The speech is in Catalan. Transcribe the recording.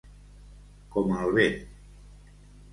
Com el vent.